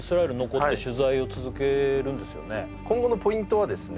今後のポイントはですね